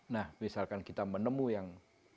nah misalkan kita menemukan yang